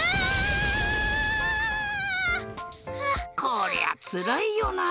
こりゃつらいよな。